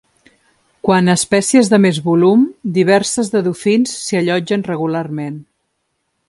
Quant a espècies de més volum, diverses de dofins s'hi allotgen regularment.